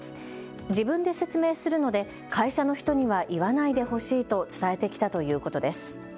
自分で説明するので会社の人には言わないでほしいと伝えてきたということです。